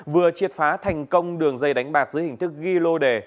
vừa triệt phá thành công đường dây đánh bạc dưới hình thức ghi lô đề